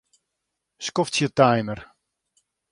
Skoftsje timer.